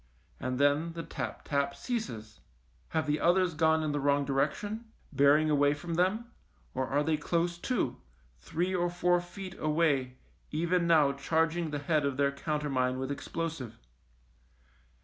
And then the tap tap ceases. Have the others gone in the wrong direction, bearing away from them, or are they close to, three or four feet away even now charging the head of their countermine with explosive